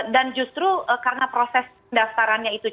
dan justru karena proses pendaftarannya itu cukup lama